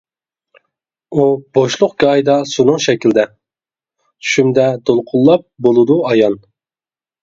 ئۇ بوشلۇق گاھىدا سۇنىڭ شەكلىدە، چۈشۈمدە دولقۇنلاپ بولىدۇ ئايان.